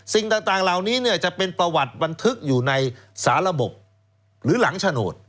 สิ่งต่างเหล่านี้เนี่ยจะเป็นประวัติบันทึกอยู่ในสาระบบหรือหลังโฉนด